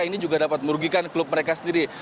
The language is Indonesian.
ini juga dapat merugikan klub mereka sendiri